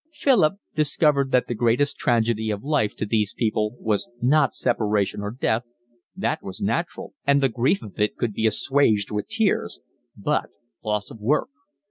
Philip discovered that the greatest tragedy of life to these people was not separation or death, that was natural and the grief of it could be assuaged with tears, but loss of work.